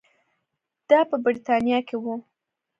دا په برېټانیا کې وو.